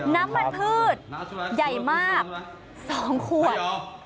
น้ำมันพืชใหญ่มาก๒ขวด